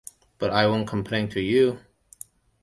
But I won’t complain to you!